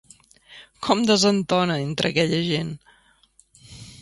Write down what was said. Com desentona, entre aquella gent!